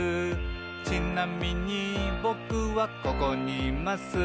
「ちなみにぼくはここにいます」